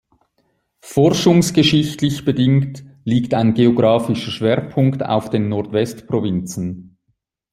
Forschungsgeschichtlich bedingt liegt ein geographischer Schwerpunkt auf den Nordwestprovinzen.